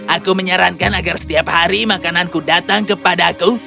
aku menyarankan agar setiap hari makananku datang kepadaku